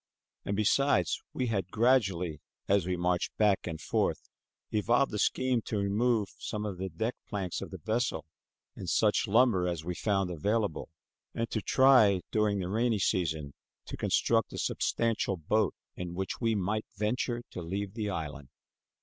And, beside, we had gradually, as we marched back and forth, evolved a scheme to remove some of the deck planks of the vessel and such lumber as we found available, and to try, during the rainy season, to construct a substantial boat in which we might venture to leave the island.